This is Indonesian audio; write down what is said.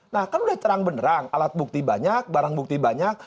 nah kan sudah cerang beneran alat bukti banyak barang bukti banyak